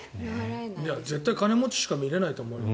絶対金持ちしか見られないと思うよ。